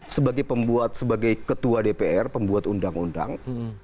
sebagai pembuat sebagai ketua dpr pembuat undang undang